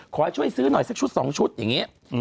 ขอให้ช่วยซื้อหน่อยสักชุด๒ชุดอย่างนี้